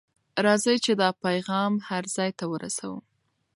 راځئ چې دا پیغام هر ځای ته ورسوو.